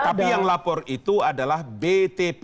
tapi yang lapor itu adalah btp